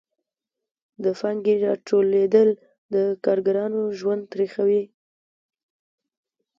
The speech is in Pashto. د پانګې راټولېدل د کارګرانو ژوند تریخوي